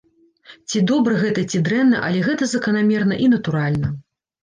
Ці добра гэта, ці дрэнна, але гэта заканамерна і натуральна.